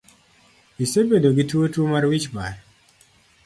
Isebedo gituo tuo mar wich bar?